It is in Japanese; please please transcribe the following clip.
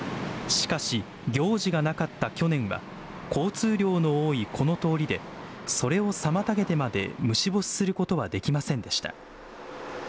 しかし、行事がなかった去年は、交通量の多いこの通りで、それを妨げてまで虫干しすることはできませんでした。